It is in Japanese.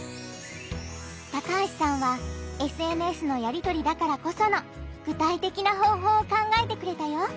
高橋さんはＳＮＳのやりとりだからこその具体的な方法を考えてくれたよ！